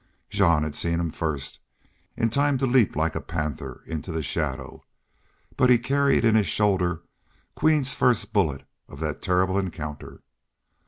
Jean had seen him first, in time to leap like a panther into the shadow. But he carried in his shoulder Queen's first bullet of that terrible encounter.